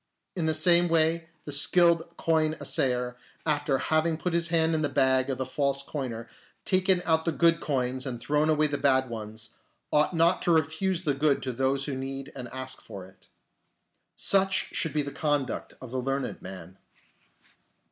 In the same way the skilled coin assayer, after having put his hand in the bag of the false coiner, taken out the good coins and thrown away the bad ones, ought not to refuse the good to those who need and ask for it. Such should be the conduct of the learned man.